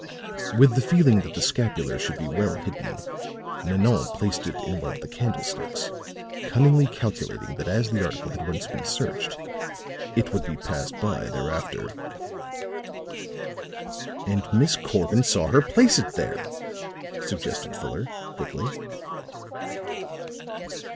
With the feeling that the scapular should be well hidden, Nanon placed it in one of the candlesticks, cunningly calculating that as the article had once been searched, it would be passed by thereafter." "And Miss Corbin saw her place it there," suggested Fuller, quickly.